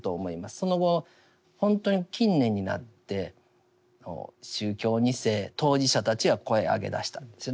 その後ほんとに近年になって宗教２世当事者たちが声を上げだしたんですよね。